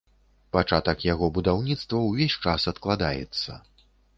Пачатак яго будаўніцтва увесь час адкладаецца.